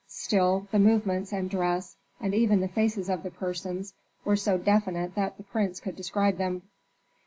Still the movements and dress, and even the faces of the persons were so definite that the prince could describe them.